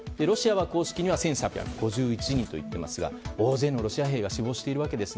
ロシアは公式には１３５１人といっていますが大勢のロシア兵が死亡しています。